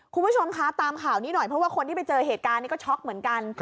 คุณผู้ชมคะตามข่าวนี้หน่อยเพราะว่าคนที่ไปเจอเหตุการณ์นี้ก็ช็อกเหมือนกัน